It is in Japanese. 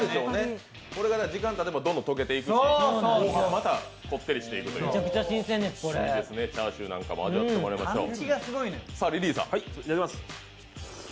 時間たてばどんどん溶けていくしその味もまたこってりしていくという、チャーシューなんかも味わってもらいましょう。